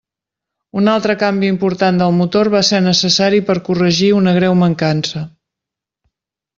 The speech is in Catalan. Un altre canvi important del motor va ser necessari per corregir una greu mancança.